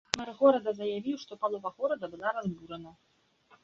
Мэр горада заявіў, што палова горада была разбурана.